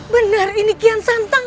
benar ini kian santang